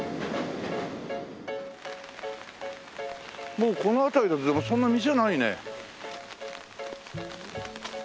もうこの辺りもでもそんなに店ないね。